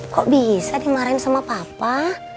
kok bisa dimarahin sama papa